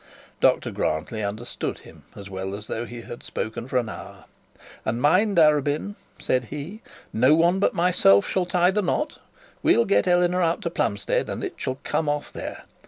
Dr Grantly understood him as well as though he had spoken for an hour. 'And mind, Arabin,' said he, 'no one but myself shall tie the knot. We'll get Eleanor out to Plumstead, and it shall come off there.